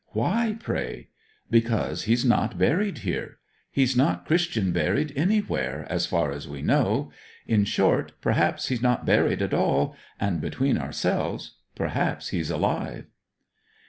'Why, pray?' 'Because he's not buried here. He's not Christian buried anywhere, as far as we know. In short, perhaps he's not buried at all; and between ourselves, perhaps he's alive.'